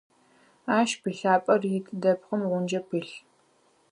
Ащ пылъапӏэр ит, дэпкъым гъунджэ пылъ.